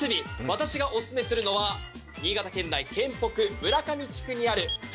私がおすすめするのは新潟県内県北村上地区にある笹